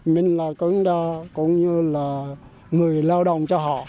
mình là cũng như là người lao động cho họ